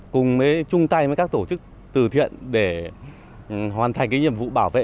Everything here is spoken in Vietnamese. cùng với chung tay với các tổ chức từ thiện để hoàn thành cái nhiệm vụ bảo vệ